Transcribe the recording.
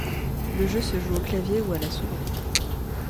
Le jeu se joue au clavier ou à la souris.